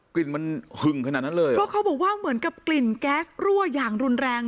กลิ่นมันหึงขนาดนั้นเลยเพราะเขาบอกว่าเหมือนกับกลิ่นแก๊สรั่วอย่างรุนแรง